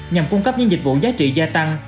nhằm cung cấp những dịch vụ giá trị gia tăng